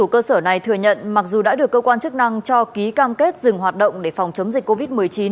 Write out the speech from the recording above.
một mươi cơ sở này thừa nhận mặc dù đã được cơ quan chức năng cho ký cam kết dừng hoạt động để phòng chống dịch covid một mươi chín